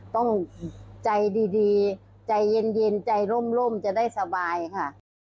ต้องใจดีใจเย็นใจร่มจะได้สบายค่ะ